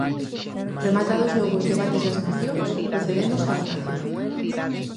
Rematados logo os debates das mocións, procedemos á votación.